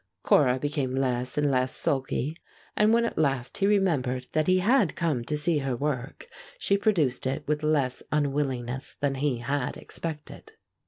Cora became less and less sulky, and when at last he remembered that he had come to see her work, she produced it with less unwillingness than he had expected.